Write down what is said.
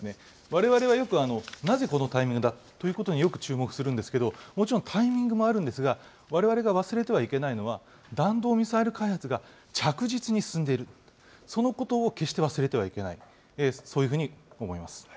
われわれはよくなぜこのタイミングだということによく注目するんですけど、もちろんタイミングもあるんですが、われわれが忘れてはいけないのは、弾道ミサイル開発が着実に進んでいる、そのことを決して忘れてはいけない、そういうふうに思います。